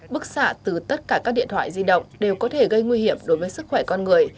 bức xạ từ tất cả các điện thoại di động đều có thể gây nguy hiểm đối với sức khỏe con người